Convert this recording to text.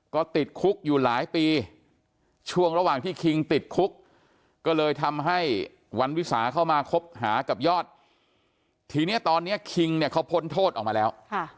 ก็ติดคุกอยู่หลายปีช่วงระหว่างที่คิงติดคุกก็เลยทำให้วันวิสาเข้ามาคบหากับยอดทีนี้ตอนนี้คิงเนี่ยเขาพ้นโทษออกมาแล้ว